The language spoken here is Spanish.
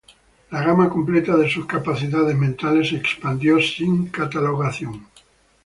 La gama completa de sus capacidades mentales se expandió sin catalogación.